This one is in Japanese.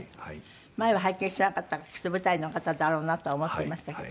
前は拝見しなかったからきっと舞台の方だろうなとは思っていましたけど。